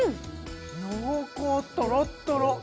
濃厚とろっとろ！